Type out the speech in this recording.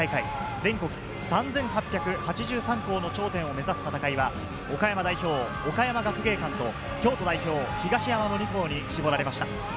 全国３８８３校の頂点を目指した戦いは岡山代表・岡山学芸館と京都代表・東山の２校に絞られました。